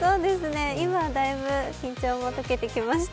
今はだいぶ緊張も解けてきました。